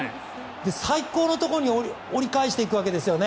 最高のところに折り返していくわけですよね。